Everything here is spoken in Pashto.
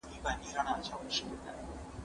زه به د کتابتوننۍ سره خبري کړي وي؟!